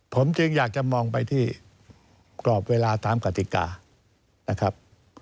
ผมจึงอยากจะมองไปที่กรอบเวลาตามกติกานะครับ